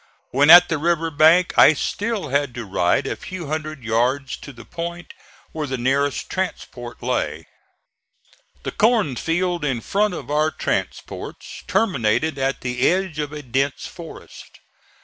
When at the river bank I still had to ride a few hundred yards to the point where the nearest transport lay. The cornfield in front of our transports terminated at the edge of a dense forest.